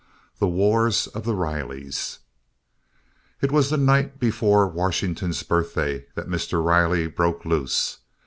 THE WARS OF THE RILEYS It was the night before Washington's Birthday that Mr. Riley broke loose.